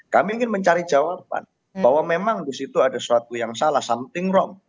kami ingin mencari jawaban bahwa memang di situ ada suatu yang salah something wrong